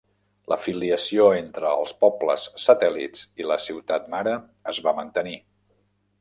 L'afiliació entre els pobles satèl·lits i la ciutat mare es va mantenir.